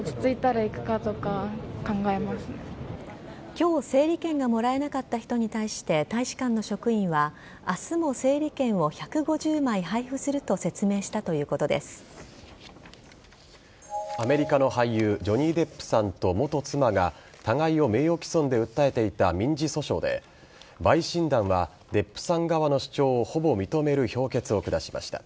今日整理券がもらえなかった人に対して、大使館の職員は明日も整理券を１５０枚配布するとアメリカの俳優ジョニー・デップさんと元妻が互いを名誉毀損で訴えていた民事訴訟で陪審団はデップさん側の主張をほぼ認める評決を下しました。